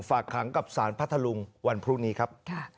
ฝากขังกับสารพัทธลุงวันพรุ่งนี้ครับ